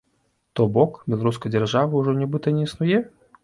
То бок, беларускай дзяржавы ўжо нібыта не існуе?